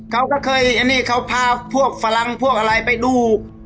เขาก็เคยพาพวกฝรั่งพวกอะไรไปดู